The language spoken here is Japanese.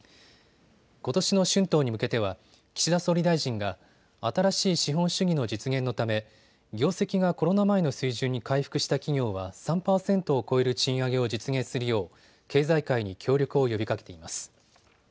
ことしの春闘に向けては岸田総理大臣が新しい資本主義の実現のため業績がコロナ前の水準に回復した企業は３％を超える賃上げを実現するよう経済界に協力を呼びかけています。